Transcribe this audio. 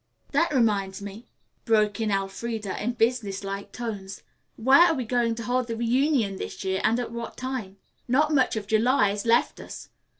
"That reminds me," broke in Elfreda, in business like tones, "where are we going to hold the reunion this year and at what time? Not much of July is left us.